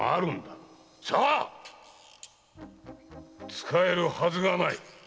使えるはずがない。